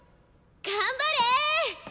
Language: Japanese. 頑張れ！